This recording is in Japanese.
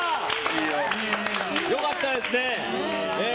良かったですね。